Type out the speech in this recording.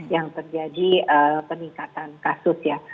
yang terjadi peningkatan kasus ya